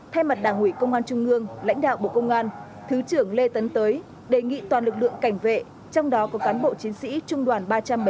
thay mặt đảng ủy công an trung ương lãnh đạo bộ công an thứ trưởng lê tấn tới đề nghị toàn lực lượng cảnh vệ trong đó có cán bộ chiến sĩ trung đoàn ba trăm bảy mươi năm